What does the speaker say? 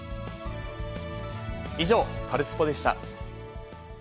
以上、カルスポっ！でした。